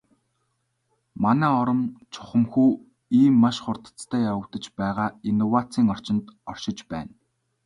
Манай орон чухамхүү ийм маш хурдацтай явагдаж байгаа инновацийн орчинд оршиж байна.